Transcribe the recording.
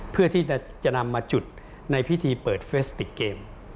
เพื่อที่จะนำมาจุดในพิธีเปิดเฟสติกเกม